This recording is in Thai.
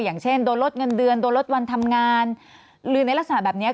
อย่างเช่นโดนลดเงินเดือนโดนลดวันทำงานหรือในลักษณะแบบนี้